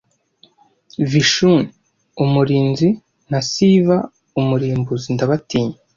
Vishinu Umurinzi na Siva Umurimbuzi ndabatinya